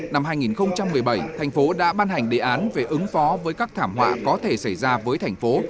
năm hai nghìn một mươi bảy thành phố đã ban hành đề án về ứng phó với các thảm họa có thể xảy ra với thành phố